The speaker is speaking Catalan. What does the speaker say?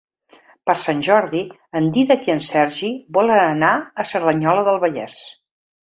Per Sant Jordi en Dídac i en Sergi volen anar a Cerdanyola del Vallès.